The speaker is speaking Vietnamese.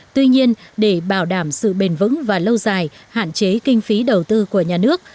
tuy nhiên để bảo đảm sự bền vững và lâu dài hạn chế kinh phí đầu tư của nhà nước